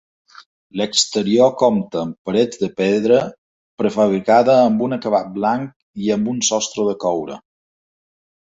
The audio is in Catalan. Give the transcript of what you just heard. L'exterior compta amb parets de pedra prefabricada amb un acabat blanc i amb un sostre de coure.